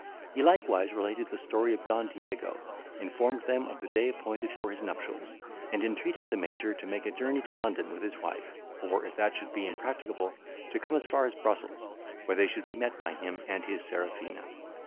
He likewise related the story of Don Diego, informed them of the day appointed for his nuptials, and entreated the Major to make a journey to London with his wife; or, if that should be impracticable, to come as far as Brussels, where they should be met by him and his Serafina.